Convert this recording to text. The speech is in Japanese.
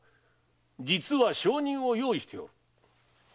実は証人を用意しておる。